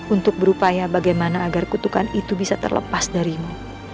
untuk berupaya bagaimana agar kutukan itu bisa terlepas darimu